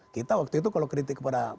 kita waktu itu kalau kritik kepada